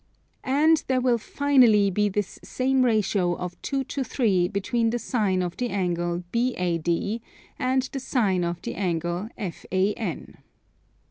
And there will finally be this same ratio of 2 to 3 between the Sine of the angle BAD and the Sine of the angle FAN.